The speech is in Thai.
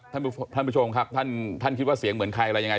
ท่านผู้ชมครับท่านคิดว่าเสียงเหมือนใครอะไรยังไง